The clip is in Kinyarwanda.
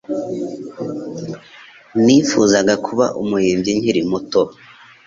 Nifuzaga kuba umuhimbyi nkiri muto